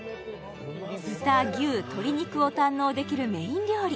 豚牛鶏肉を堪能できるメイン料理